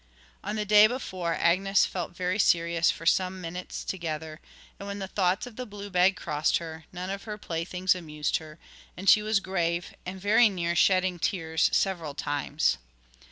On the day before Agnes felt very serious for some minutes together, and when the thoughts of the blue bag crossed her, none of her play things amused her, and she was grave, and very near shedding tears several times.